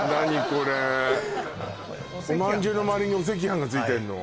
これおまんじゅうのまわりにお赤飯がついてんの？